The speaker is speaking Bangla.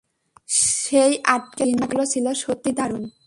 সেই আটকে থাকার দিনগুলো ছিল সত্যিই দারুণ!